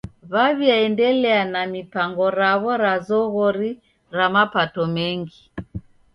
W'aw'iaendelia na mipango raw'o ra zoghori ra mapato mengi.